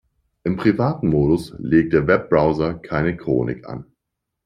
Im privaten Modus legt der Webbrowser keine Chronik an.